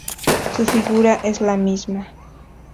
Su figura es la misma.